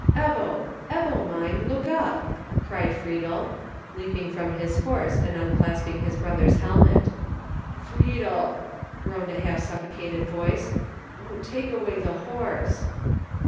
"Ebbo! Ebbo mine, look up!" cried Friedel, leaping from his horse, and unclasping his brother's helmet. "Friedel!" groaned a half suffocated voice. "O take away the horse."